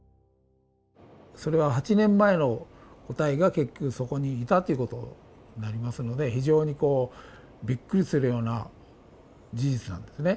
それは８年前の個体が結局そこに居たっていうことになりますので非常にびっくりするような事実なんですね。